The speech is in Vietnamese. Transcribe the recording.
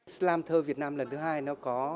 slantur việt nam lần thứ hai nó có